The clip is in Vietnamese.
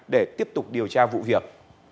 để tiếp tục điều tra vụ việc